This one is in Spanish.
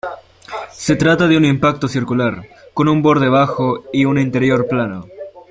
Se trata de un impacto circular, con un borde bajo y un interior plano.